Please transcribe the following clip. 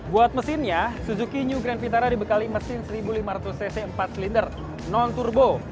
buat mesinnya suzuki new grand vintara dibekali mesin seribu lima ratus cc empat silinder non turbo